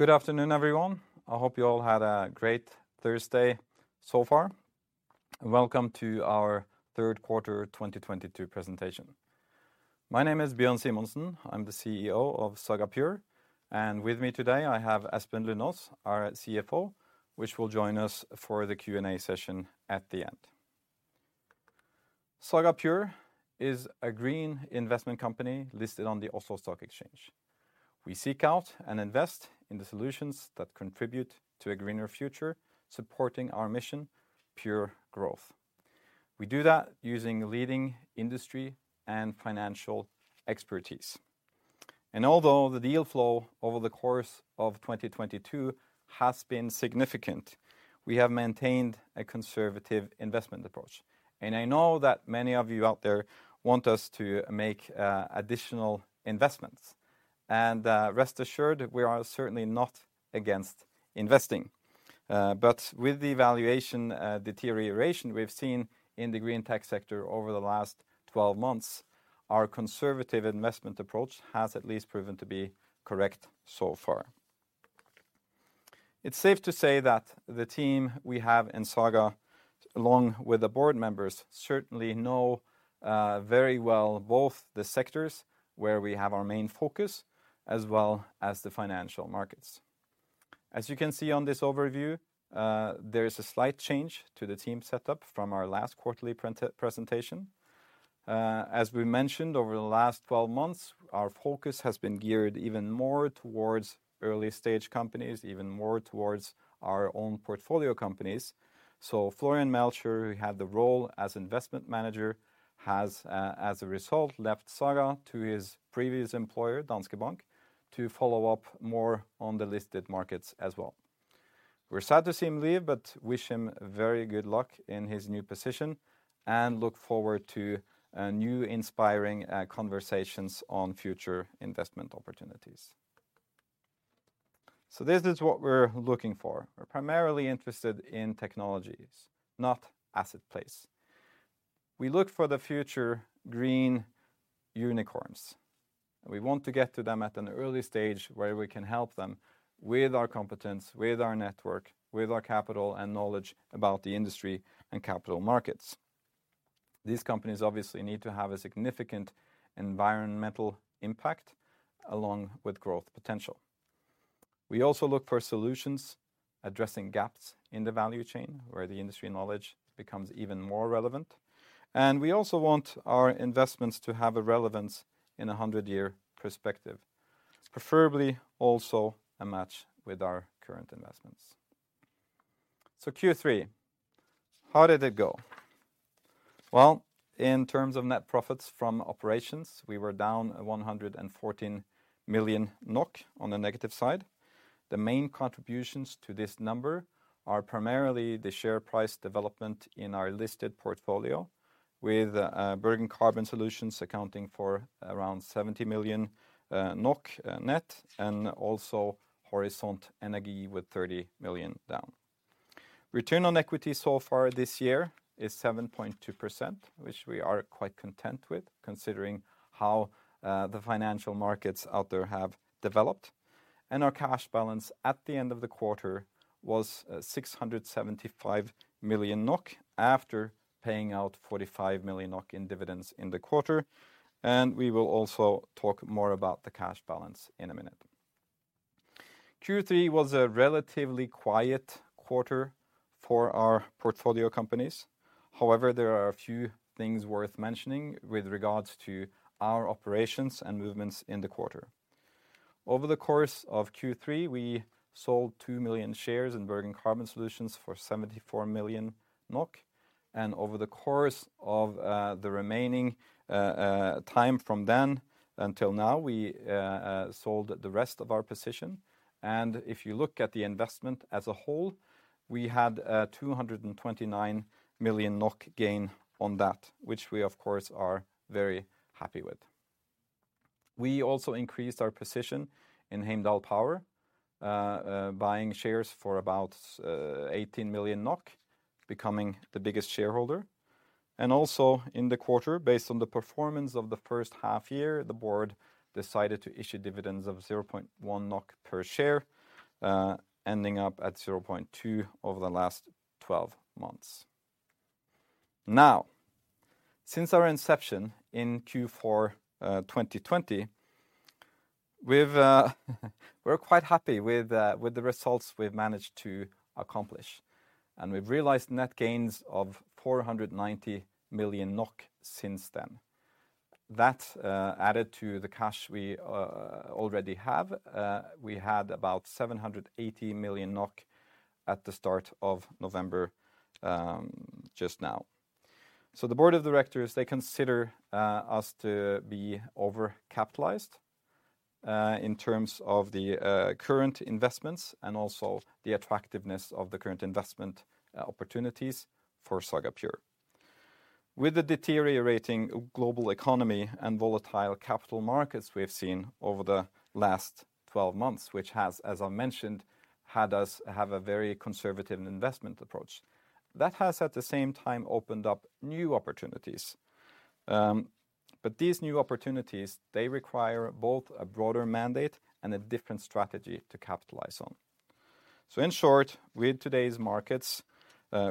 Good afternoon, everyone. I hope you all had a great Thursday so far. Welcome to our third quarter 2022 presentation. My name is Bjørn Simonsen. I'm the CEO of Saga Pure, and with me today I have Espen Lundaas, our CFO, which will join us for the Q&A session at the end. Saga Pure is a green investment company listed on the Oslo Stock Exchange. We seek out and invest in the solutions that contribute to a greener future, supporting our mission, pure growth. We do that using leading industry and financial expertise. Although the deal flow over the course of 2022 has been significant, we have maintained a conservative investment approach. I know that many of you out there want us to make additional investments. Rest assured, we are certainly not against investing. With the valuation deterioration we've seen in the green tech sector over the last 12 months, our conservative investment approach has at least proven to be correct so far. It's safe to say that the team we have in Saga, along with the board members, certainly know very well both the sectors where we have our main focus, as well as the financial markets. As you can see on this overview, there is a slight change to the team setup from our last quarterly presentation. As we mentioned, over the last 12 months, our focus has been geared even more towards early-stage companies, even more towards our own portfolio companies. Florian Melcher, who had the role as investment manager, has, as a result, left Saga to his previous employer, Danske Bank, to follow up more on the listed markets as well. We're sad to see him leave, but wish him very good luck in his new position and look forward to new inspiring conversations on future investment opportunities. This is what we're looking for. We're primarily interested in technologies, not asset plays. We look for the future green unicorns. We want to get to them at an early stage where we can help them with our competence, with our network, with our capital and knowledge about the industry and capital markets. These companies obviously need to have a significant environmental impact along with growth potential. We also look for solutions addressing gaps in the value chain, where the industry knowledge becomes even more relevant. We also want our investments to have a relevance in a hundred-year perspective. It's preferably also a match with our current investments. Q3, how did it go? Well, in terms of net profits from operations, we were down 114 million NOK on the negative side. The main contributions to this number are primarily the share price development in our listed portfolio, with Bergen Carbon Solutions accounting for around 70 million NOK, net, and also Horisont Energi with 30 million down. Return on equity so far this year is 7.2%, which we are quite content with considering how the financial markets out there have developed. Our cash balance at the end of the quarter was 675 million NOK after paying out 45 million NOK in dividends in the quarter. We will also talk more about the cash balance in a minute. Q3 was a relatively quiet quarter for our portfolio companies. However, there are a few things worth mentioning with regards to our operations and movements in the quarter. Over the course of Q3, we sold 2 million shares in Bergen Carbon Solutions for 74 million NOK. Over the course of the remaining time from then until now, we sold the rest of our position. If you look at the investment as a whole, we had a 229 million NOK gain on that, which we of course are very happy with. We also increased our position in Heimdall Power, buying shares for about 18 million NOK, becoming the biggest shareholder. Also in the quarter, based on the performance of the first half year, the board decided to issue dividends of 0.1 NOK per share, ending up at 0.2 over the last 12 months. Now, since our inception in Q4 2020, we're quite happy with the results we've managed to accomplish. We've realized net gains of 490 million NOK since then. That added to the cash we already have, we had about 780 million NOK at the start of November just now. The board of directors, they consider us to be overcapitalized in terms of the current investments and also the attractiveness of the current investment opportunities for Saga Pure. With the deteriorating global economy and volatile capital markets we have seen over the last 12 months, which has, as I mentioned, had us have a very conservative investment approach. That has, at the same time, opened up new opportunities. These new opportunities require both a broader mandate and a different strategy to capitalize on. In short, with today's markets,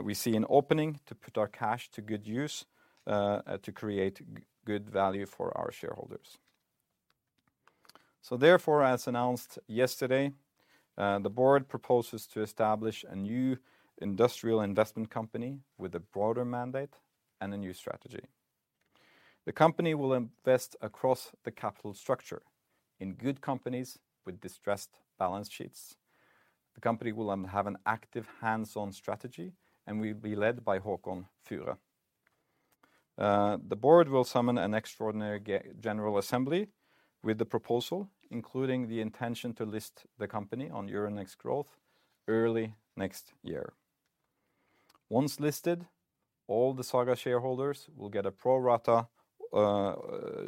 we see an opening to put our cash to good use, to create good value for our shareholders. Therefore, as announced yesterday, the board proposes to establish a new industrial investment company with a broader mandate and a new strategy. The company will invest across the capital structure in good companies with distressed balance sheets. The company will have an active hands-on strategy, and will be led by Håkon Fure. The board will summon an extraordinary general assembly with the proposal, including the intention to list the company on Euronext Growth early next year. Once listed, all the Saga shareholders will get a pro rata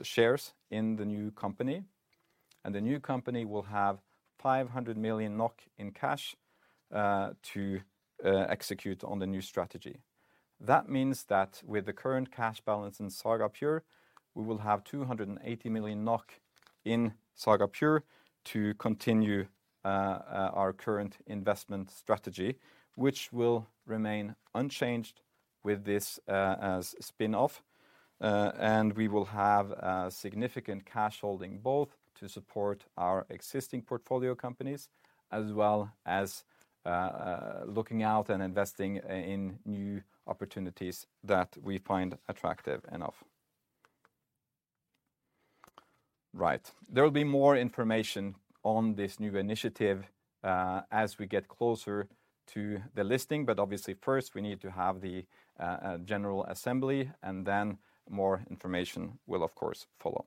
shares in the new company, and the new company will have 500 million NOK in cash to execute on the new strategy. That means that with the current cash balance in Saga Pure, we will have 280 million NOK in Saga Pure to continue our current investment strategy, which will remain unchanged with this as spin-off. We will have a significant cash holding both to support our existing portfolio companies, as well as looking out and investing in new opportunities that we find attractive enough. Right. There will be more information on this new initiative as we get closer to the listing, but obviously first we need to have the general assembly, and then more information will, of course, follow.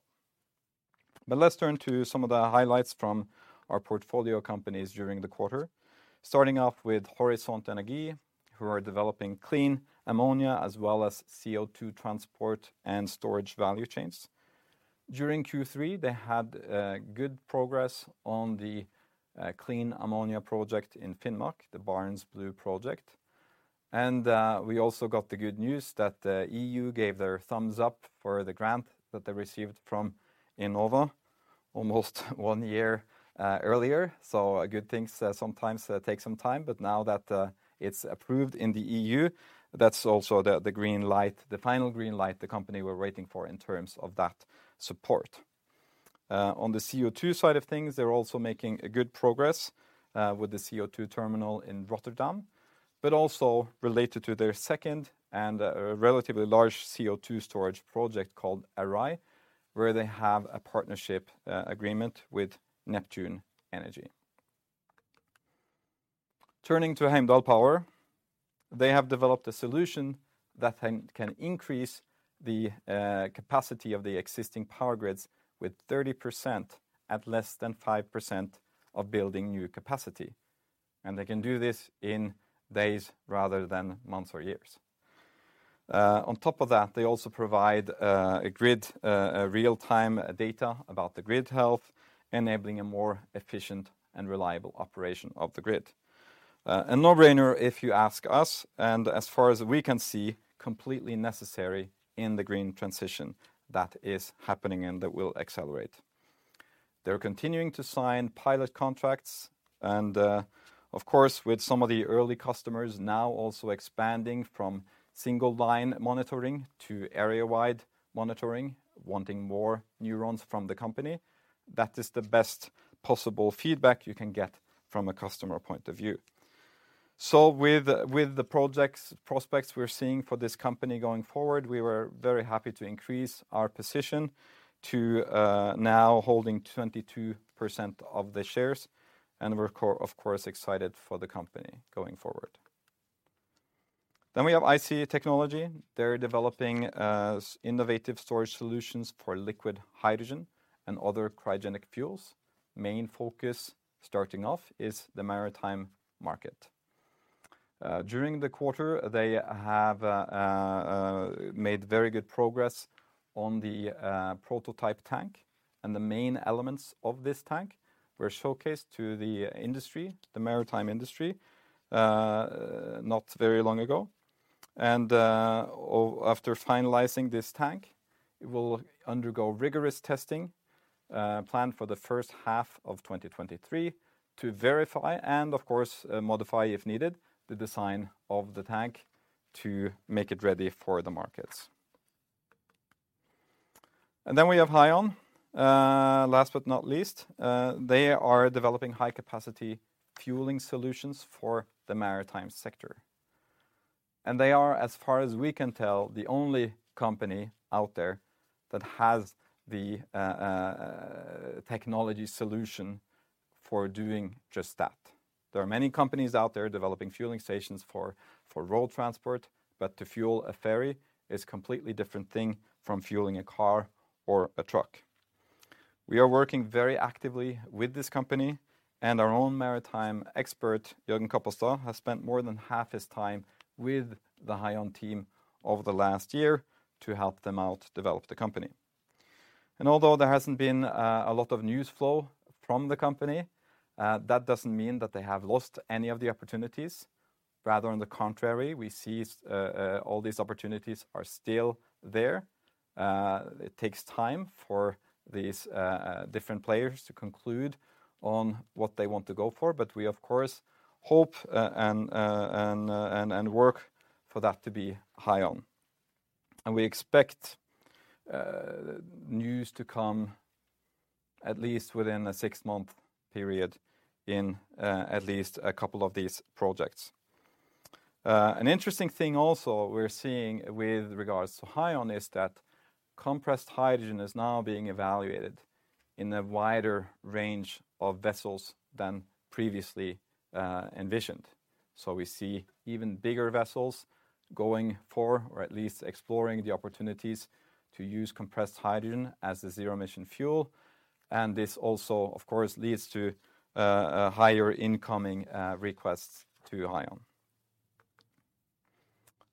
Let's turn to some of the highlights from our portfolio companies during the quarter. Starting off with Horisont Energi, who are developing clean ammonia as well as CO2 transport and storage value chains. During Q3, they had good progress on the clean ammonia project in Finnmark, the Barents Blue project. We also got the good news that the EU gave their thumbs up for the grant that they received from Enova almost one year earlier. Good things sometimes take some time, but now that it's approved in the EU, that's also the green light, the final green light the company were waiting for in terms of that support. On the CO2 side of things, they're also making a good progress with the CO2 terminal in Rotterdam, but also related to their second and a relatively large CO2 storage project called Errai, where they have a partnership agreement with Neptune Energy. Turning to Heimdall Power, they have developed a solution that can increase the capacity of the existing power grids with 30% at less than 5% of building new capacity. They can do this in days rather than months or years. On top of that, they also provide a real-time data about the grid health, enabling a more efficient and reliable operation of the grid. A no-brainer if you ask us, and as far as we can see, completely necessary in the green transition that is happening and that will accelerate. They're continuing to sign pilot contracts and, of course, with some of the early customers now also expanding from single line monitoring to area-wide monitoring, wanting more Neurons from the company. That is the best possible feedback you can get from a customer point of view. With the prospects we're seeing for this company going forward, we were very happy to increase our position to now holding 22% of the shares, and we're of course excited for the company going forward. We have IC Technology. They're developing innovative storage solutions for liquid hydrogen and other cryogenic fuels. Main focus starting off is the maritime market. During the quarter, they have made very good progress on the prototype tank, and the main elements of this tank were showcased to the industry, the maritime industry, not very long ago. After finalizing this tank, it will undergo rigorous testing planned for the first half of 2023 to verify and, of course, modify if needed, the design of the tank to make it ready for the markets. Then we have Hyon. Last but not least, they are developing high-capacity fueling solutions for the maritime sector. They are, as far as we can tell, the only company out there that has the technology solution for doing just that. There are many companies out there developing fueling stations for road transport, but to fuel a ferry is completely different thing from fueling a car or a truck. We are working very actively with this company, and our own maritime expert, Jørgen Koppestad, has spent more than half his time with the Hyon team over the last year to help them out develop the company. Although there hasn't been a lot of news flow from the company, that doesn't mean that they have lost any of the opportunities. Rather, on the contrary, we see all these opportunities are still there. It takes time for these different players to conclude on what they want to go for, but we of course hope and work for that to be Hyon. We expect news to come at least within a six-month period in at least a couple of these projects. An interesting thing also we're seeing with regards to Hyon is that compressed hydrogen is now being evaluated in a wider range of vessels than previously envisioned. We see even bigger vessels going for, or at least exploring the opportunities to use compressed hydrogen as a zero-emission fuel, and this also, of course, leads to higher incoming requests to Hyon.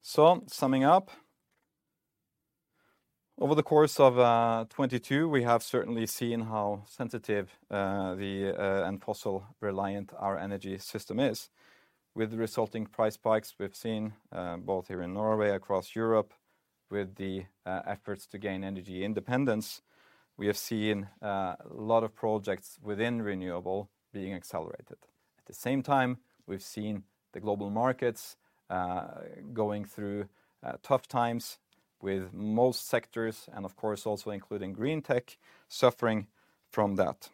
Summing up, over the course of 2022, we have certainly seen how sensitive and fossil-reliant our energy system is. With resulting price spikes we've seen both here in Norway, across Europe with the efforts to gain energy independence, we have seen a lot of projects within renewable being accelerated. At the same time, we've seen the global markets going through tough times with most sectors and of course, also including green tech suffering from that.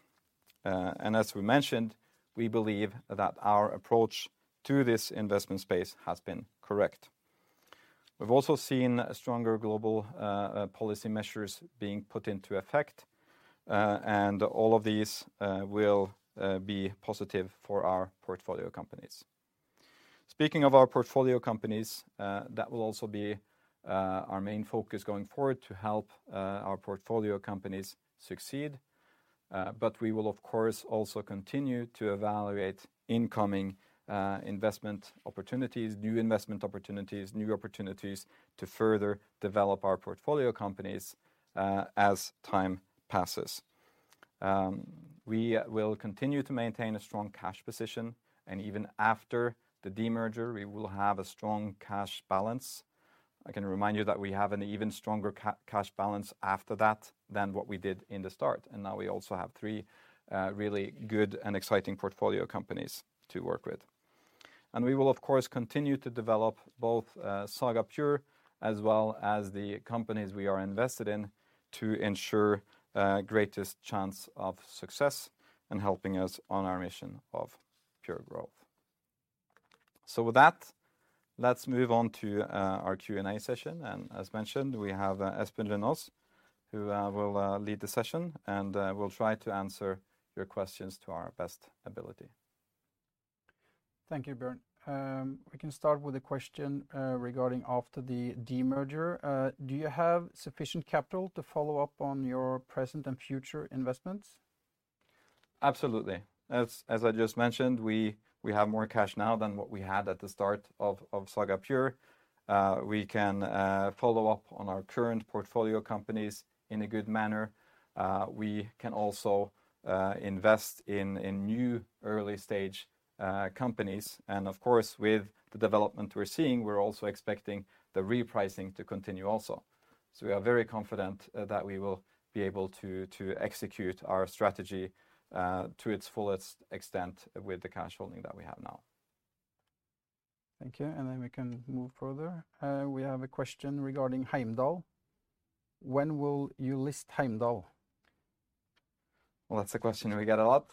As we mentioned, we believe that our approach to this investment space has been correct. We've also seen stronger global policy measures being put into effect, and all of these will be positive for our portfolio companies. Speaking of our portfolio companies, that will also be our main focus going forward to help our portfolio companies succeed. We will of course, also continue to evaluate incoming investment opportunities, new investment opportunities, new opportunities to further develop our portfolio companies, as time passes. We will continue to maintain a strong cash position, and even after the demerger, we will have a strong cash balance. I can remind you that we have an even stronger cash balance after that than what we did in the start. Now we also have three really good and exciting portfolio companies to work with. We will, of course, continue to develop both Saga Pure as well as the companies we are invested in to ensure greatest chance of success in helping us on our mission of pure growth. With that, let's move on to our Q&A session. As mentioned, we have Espen Lundaas, who will lead the session, and will try to answer your questions to our best ability. Thank you, Bjørn. We can start with a question regarding after the demerger. Do you have sufficient capital to follow up on your present and future investments? Absolutely. As I just mentioned, we have more cash now than what we had at the start of Saga Pure. We can follow up on our current portfolio companies in a good manner. We can also invest in new early stage companies. Of course, with the development we're seeing, we're also expecting the repricing to continue also. We are very confident that we will be able to execute our strategy to its fullest extent with the cash holding that we have now. Thank you. We can move further. We have a question regarding Heimdall. When will you list Heimdall? Well, that's a question we get a lot.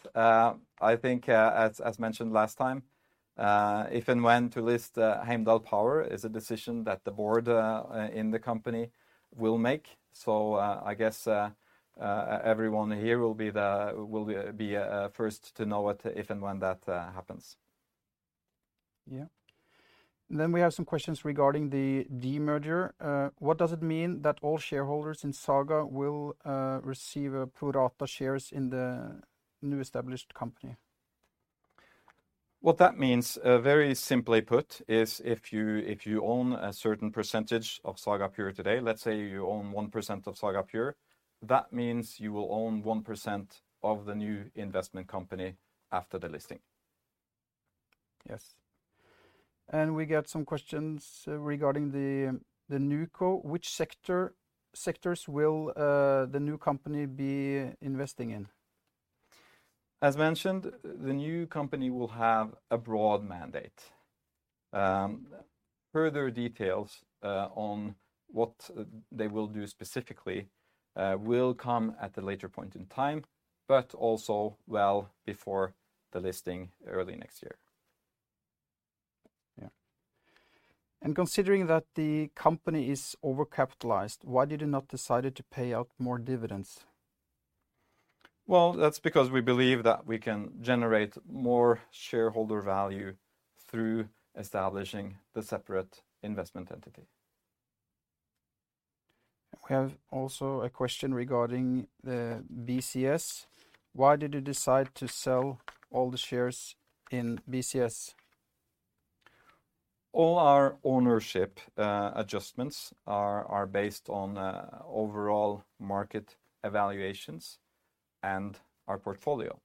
I think, as mentioned last time, if and when to list Heimdall Power is a decision that the board in the company will make. I guess everyone here will be first to know it if and when that happens. We have some questions regarding the demerger. What does it mean that all shareholders in Saga will receive a pro rata shares in the new established company? What that means, very simply put, is if you own a certain percentage of Saga Pure today, let's say you own 1% of Saga Pure, that means you will own 1% of the new investment company after the listing. Yes. We get some questions regarding the NewCo. Which sectors will the new company be investing in? As mentioned, the new company will have a broad mandate. Further details on what they will do specifically will come at a later point in time, but also well before the listing early next year. Yeah. Considering that the company is over-capitalized, why did you not decide to pay out more dividends? Well, that's because we believe that we can generate more shareholder value through establishing the separate investment entity. We have also a question regarding the BCS. Why did you decide to sell all the shares in BCS? All our ownership adjustments are based on overall market evaluations and our portfolio,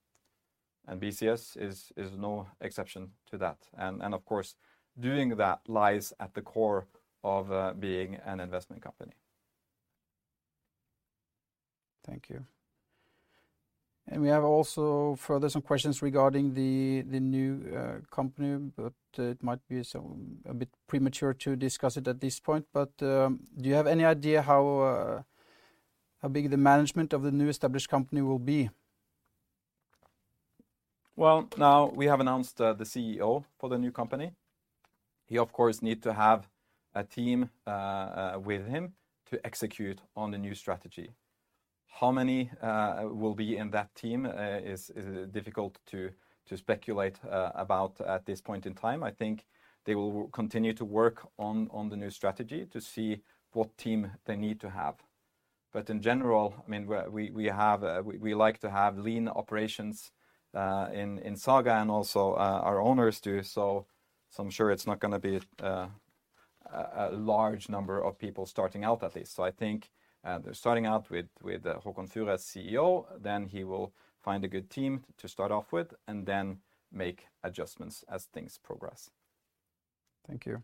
and BCS is no exception to that. Of course doing that lies at the core of being an investment company. Thank you. We have also further some questions regarding the new company, but it might be so a bit premature to discuss it at this point. Do you have any idea how big the management of the new established company will be? Well, now we have announced the CEO for the new company. He of course need to have a team with him to execute on the new strategy. How many will be in that team is difficult to speculate about at this point in time. I think they will continue to work on the new strategy to see what team they need to have. In general, I mean, we like to have lean operations in Saga and also our owners do, so I'm sure it's not gonna be a large number of people starting out at least. I think they're starting out with Håkon Fure as CEO, then he will find a good team to start off with and then make adjustments as things progress. Thank you.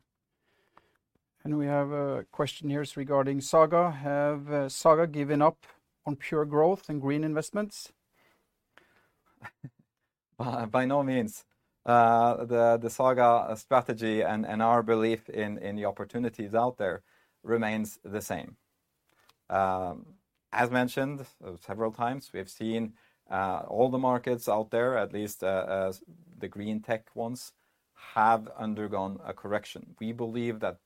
We have a question here regarding Saga. Have Saga given up on pure growth and green investments? By no means. The Saga strategy and our belief in the opportunities out there remains the same. As mentioned several times, we have seen all the markets out there, at least the green tech ones, have undergone a correction. We believe that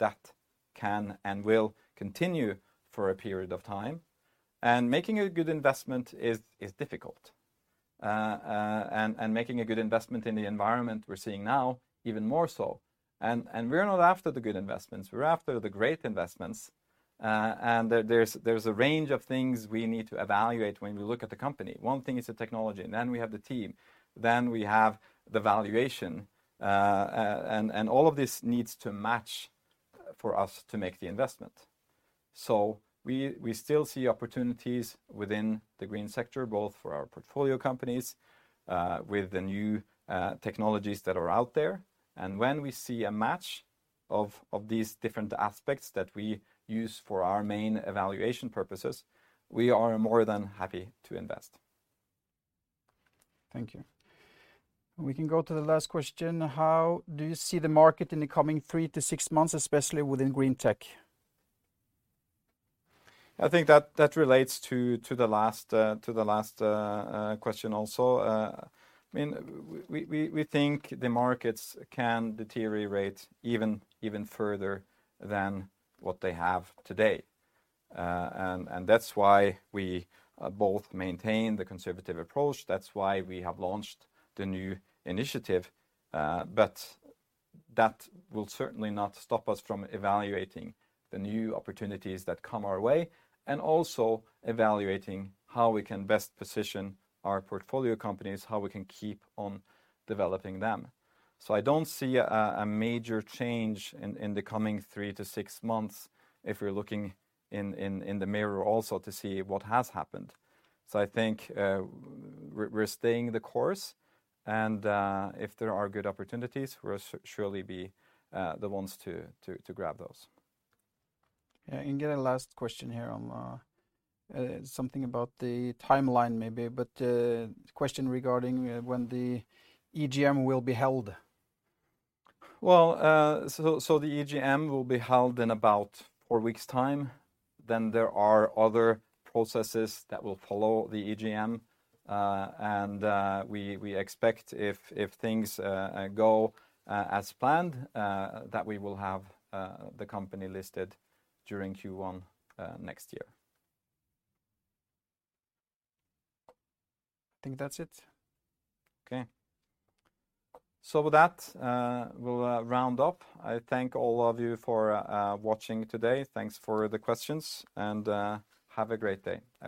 can and will continue for a period of time, and making a good investment is difficult. Making a good investment in the environment we're seeing now even more so. We're not after the good investments, we're after the great investments. There's a range of things we need to evaluate when we look at the company. One thing is the technology, and then we have the team, then we have the valuation. All of this needs to match for us to make the investment. We still see opportunities within the green sector, both for our portfolio companies, with the new technologies that are out there. When we see a match of these different aspects that we use for our main evaluation purposes, we are more than happy to invest. Thank you. We can go to the last question. How do you see the market in the coming 3-6 months, especially within green tech? I think that relates to the last question also. I mean, we think the markets can deteriorate even further than what they have today. That's why we both maintain the conservative approach. That's why we have launched the new initiative. That will certainly not stop us from evaluating the new opportunities that come our way, and also evaluating how we can best position our portfolio companies, how we can keep on developing them. I don't see a major change in the coming three to six months if we're looking in the mirror also to see what has happened. I think we're staying the course and if there are good opportunities, we'll surely be the ones to grab those. Yeah, get a last question here on something about the timeline maybe. Question regarding when the EGM will be held. The EGM will be held in about four weeks' time. There are other processes that will follow the EGM, and we expect if things go as planned that we will have the company listed during Q1 next year. I think that's it. Okay. With that, we'll round up. I thank all of you for watching today. Thanks for the questions, and have a great day.